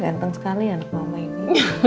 ganteng sekali anak mama ini